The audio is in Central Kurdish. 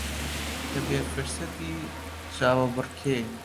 کە بێ فرسەتی چاوەبڕکێ